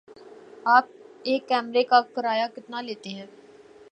آپ ایک کمرے کا کرایہ کتنا لیتے ہیں؟